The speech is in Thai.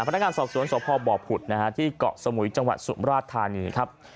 พนักงานสอบสวนสพบผุดนะฮะที่เกาะสมุยจังหวัดสุมราชธานีครับ